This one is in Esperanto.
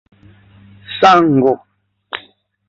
sango